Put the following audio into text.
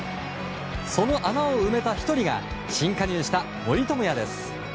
その穴を埋めた１人が新加入した森友哉です。